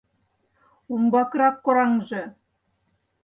Умбакырак кораҥже!